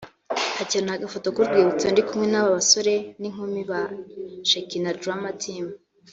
‘Hakenewe agafoto k’urwibutso ndi kumwe n’aba basore n’inkumi ba Shekinah Drama Team’